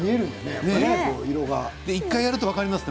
１回やるると分かりますね。